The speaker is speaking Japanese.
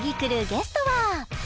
ゲストは？